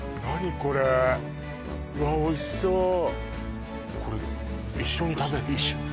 何これうわおいしそうこれ一緒に食べるの？